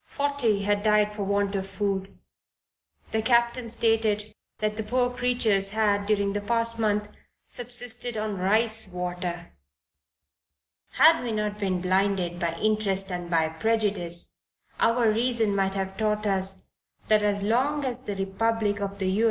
Forty had died for want of food. The captain stated that the poor creatures had, during the past month, subsisted on rice water." Had we not been blinded by interest and by prejudice, our reason might have taught us that as long as the republic of the U. S.